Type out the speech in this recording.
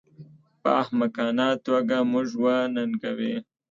په احمقانه توګه موږ وننګوي